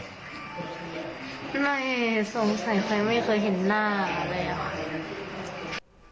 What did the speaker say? ไม่สงสัยใครไม่เคยเห็นหน้าอะไรอะค่ะ